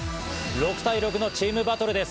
６対６のチームバトルです。